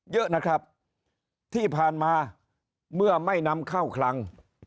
เยอะนะครับที่ผ่านมาเมื่อไม่นำเข้าคลัง